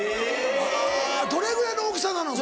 はぁどれぐらいの大きさなの？